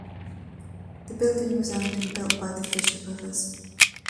The building was owned and built by the Fisher Brothers.